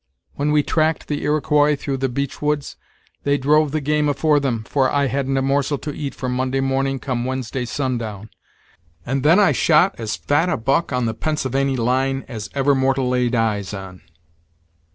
When we tracked the Iroquois through the 'Beech woods,' they drove the game afore them, for I hadn't a morsel to eat from Monday morning come Wednesday sundown, and then I shot as fat a buck, on the Pennsylvany line, as ever mortal laid eyes on.